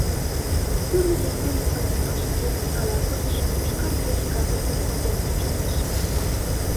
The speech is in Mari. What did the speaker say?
Тӱрлӧ нерген мутланымаште ала-кудыжо «Йошкар кече» газетым конден кучыктыш.